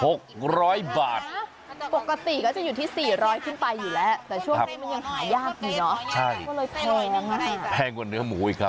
ปกติก็จะอยู่ที่๔๐๐บาทขึ้นไปอยู่แล้วแต่ช่วงนี้มันยังหายากอยู่เนอะ